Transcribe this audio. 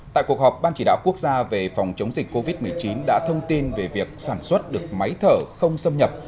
tại cuộc họp ban chỉ đạo quốc gia về phòng chống dịch covid một mươi chín đã thông tin về việc sản xuất được máy thở không xâm nhập